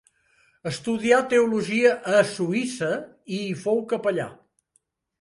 Estudià teologia a Suïssa i hi fou capellà.